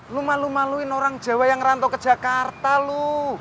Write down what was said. lu malu maluin orang jawa yang rantau ke jakarta lu